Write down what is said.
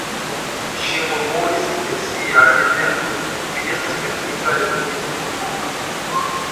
Ŝi murmuris inter siaj dentoj: "Mi estas perdita junulino!"